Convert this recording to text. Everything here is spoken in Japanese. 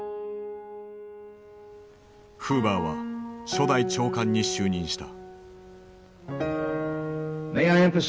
フーバーは初代長官に就任した。